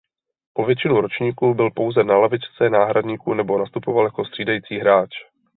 Po většinu ročníku byl pouze na lavičce náhradníků nebo nastupoval jako střídající hráč.